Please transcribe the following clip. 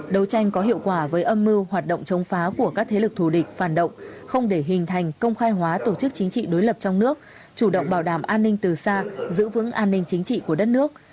đấu tranh có hiệu quả với âm mưu hoạt động chống phá của các thế lực thù địch phản động không để hình thành công khai hóa tổ chức chính trị đối lập trong nước chủ động bảo đảm an ninh từ xa giữ vững an ninh chính trị của đất nước